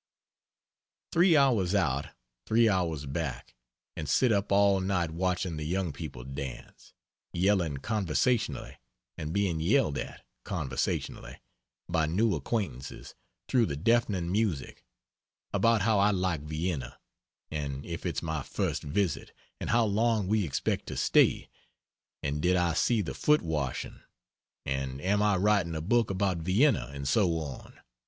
Three hours out, three hours back, and sit up all night watching the young people dance; yelling conversationally and being yelled at, conversationally, by new acquaintances, through the deafening music, about how I like Vienna, and if it's my first visit, and how long we expect to stay, and did I see the foot washing, and am I writing a book about Vienna, and so on.